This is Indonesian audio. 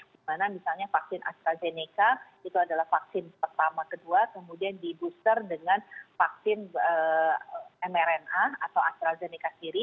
dimana misalnya vaksin astrazeneca itu adalah vaksin pertama kedua kemudian di booster dengan vaksin mrna atau astrazeneca sendiri